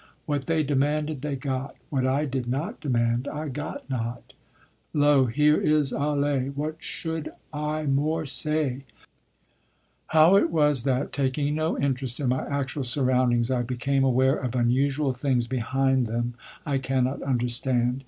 What they demanded they got, what I did not demand I got not: "Lo, here is alle! What shold I more seye?" How it was that, taking no interest in my actual surroundings, I became aware of unusual things behind them I cannot understand.